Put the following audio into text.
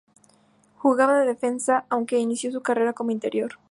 Jugaba de defensa, aunque inició su carrera como interior.